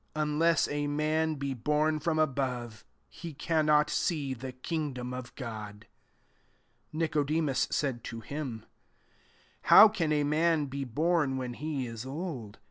Unless a man be born from above, he cannot see the kingdom of God." 4 Nicodemus said to him, ^ How can a man be born when he is old